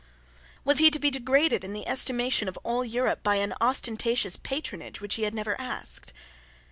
Was he to be degraded in the estimation of all Europe, by an ostentatious patronage which he had never asked?